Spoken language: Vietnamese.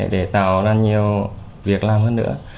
để tạo ra nhiều việc làm hơn nữa